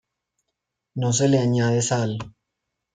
No se le añade sal.